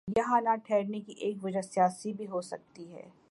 یہاں نہ ٹھہرنے کی ایک وجہ سیاسی بھی ہو سکتی ہے۔